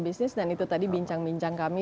bisnis dan itu tadi bincang bincang kami